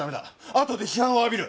あとで批判を浴びる。